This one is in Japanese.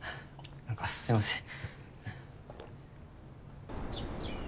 なんかすいません。